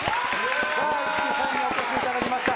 石木さんにお越しいただきました。